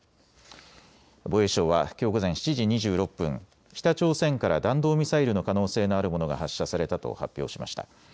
防衛省はきょう午前７時２６分、北朝鮮から弾道ミサイルの可能性のあるものが発射されたと発表しました。